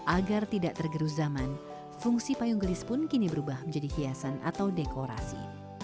agar tidak tergerus zaman fungsi payung gelis pun kini berubah menjadi hiasan atau dekorasi